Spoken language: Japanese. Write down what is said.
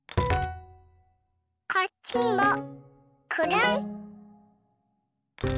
こっちもくるん。